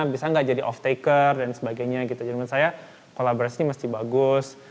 bisa gak jadi off taker dan sebagainya gitu menurut saya kolaborasi ini mesti bagus